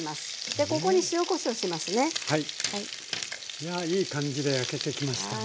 いやいい感じで焼けてきましたが。